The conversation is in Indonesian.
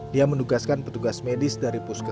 dia mendugaskan petugas medis dari puskesmas terdekat